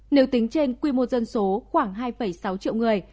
nếu tính trên quy mô dân số khoảng hai sáu triệu người